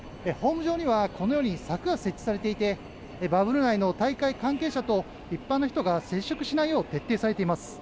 ホーム上にはこのように柵が設置されていてバブル内の大会関係者と一般の人が接触しないよう徹底されています。